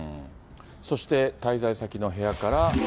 そして滞在先の部屋から。